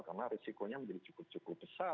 karena risikonya menjadi cukup cukup besar